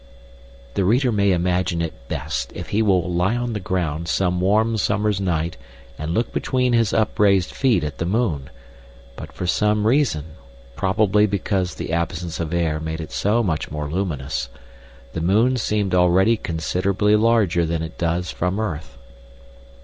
The reader may imagine it best if he will lie on the ground some warm summer's night and look between his upraised feet at the moon, but for some reason, probably because the absence of air made it so much more luminous, the moon seemed already considerably larger than it does from earth.